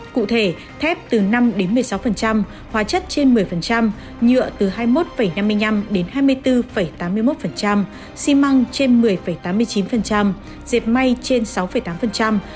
cụ thể thép từ năm một mươi sáu hóa chất trên một mươi nhựa từ hai mươi một năm mươi năm đến hai mươi bốn tám mươi một xi măng trên một mươi tám mươi chín dẹp may trên sáu tám